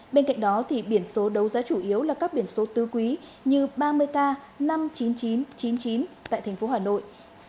bên cạnh đó thì biển số đấu giá chủ yếu là các biển số tư quý như ba mươi k năm mươi chín nghìn chín trăm chín mươi chín tại tp hà nội